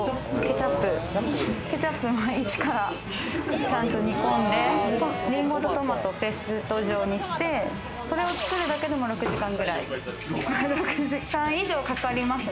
ケチャップもイチから、ちゃんと煮込んでりんごとトマトをペースト状にして、それを作るだけでも６時間ぐらい、６時間以上かかりますね。